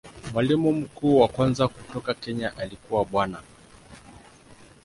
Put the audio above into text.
Mwalimu mkuu wa kwanza kutoka Kenya alikuwa Bwana.